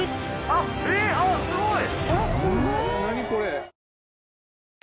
あっすごい！